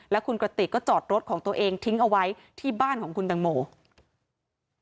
แล้วคุณกระติกก็จอดรถของตัวเองทิ้งเอาไว้ที่บ้านของคุณตังโม